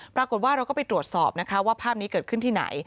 ปรากฏว่าเราก็ไปตรวจสอบนะคะว่าภาพนี้เกิดขึ้นที่ไหน